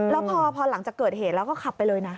แล้วพอหลังจากเกิดเหตุแล้วก็ขับไปเลยนะ